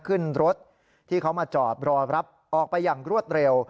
ขึ้นรถที่เขามาจอดรอรับออกไปอย่างรวดเร็ว